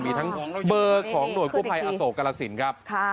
มีทั้งเบอร์ของหน่วยกู้ภัยอโศกรสินครับ